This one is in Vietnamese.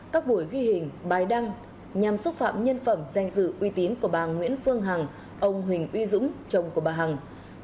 các buổi ghi hình bài đăng nhằm xúc phạm nhân phẩm danh dự uy tín của bà nguyễn phương hằng ông huỳnh uy dũng chồng của bà đặng thị hàn ni